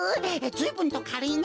ずいぶんとかるいな。